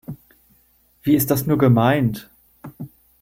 Wie ist das nur gemeint?